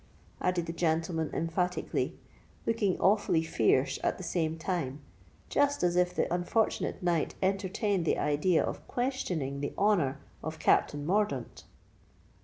added the gentleman emphatically, looking awfully fierce at the same time, just as if the unfortunate knight entertained the idea of questioning the honour of Captain Mordaunt.